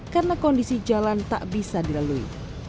karena kondisi jalan tak bisa dilalui